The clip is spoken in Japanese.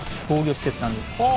防御施設なんです。